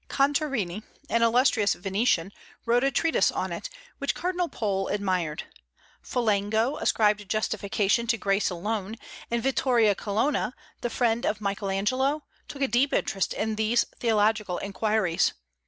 Contarini, an illustrious Venetian, wrote a treatise on it, which Cardinal Pole admired. Folengo ascribed justification to grace alone; and Vittoria Colonna, the friend of Michael Angelo, took a deep interest in these theological inquiries.